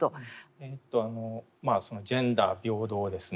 えとまあそのジェンダー平等ですね。